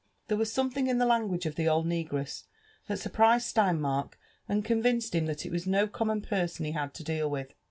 '* Tiiere was something in the language of the old negress that surprised Steinmark, and convinced him that it was no common person he had lo deal with.